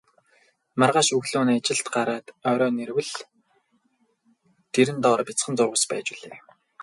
Маргааш өглөө нь ажилд гараад орой ирвэл дэрэн доор бяцхан зурвас байж билээ.